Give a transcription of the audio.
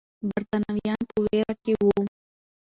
برتانويان په ویره کې وو.